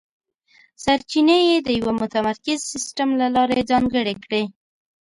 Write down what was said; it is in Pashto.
سرچینې یې د یوه متمرکز سیستم له لارې ځانګړې کړې.